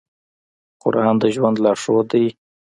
قرآن د ژوند لارښود دی.